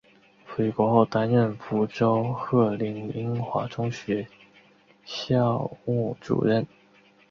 回国后担任福州鹤龄英华中学校务主任。